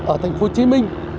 ở thành phố hồ chí minh